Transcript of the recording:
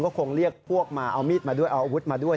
ก็คงเรียกพวกมาเอามีดมาด้วยเอาอาวุธมาด้วย